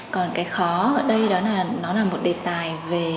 còn cái khó ở đây đó là nó là một đề tài về